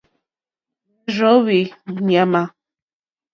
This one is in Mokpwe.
Nà rzóhwì ɲàmà.